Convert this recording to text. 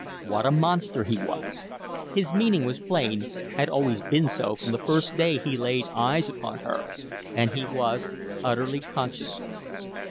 What a monster he was! His meaning was plain, had always been so from the first day he laid eyes upon her, and he was utterly conscienceless.